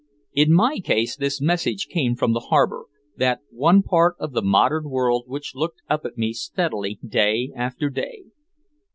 In my case this message came from the harbor, that one part of the modern world which looked up at me steadily day after day.